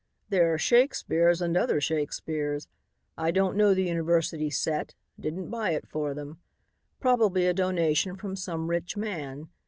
There are Shakespeares and other Shakespeares. I don't know the university set didn't buy it for them. Probably a donation from some rich man.